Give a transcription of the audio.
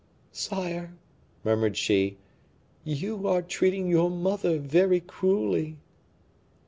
"Sire," murmured she, "you are treating your mother very cruelly."